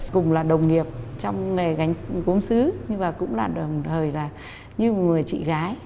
cùng là đồng nghiệp trong nghề gánh gốm xứ nhưng mà cũng là đồng thời là như một người chị gái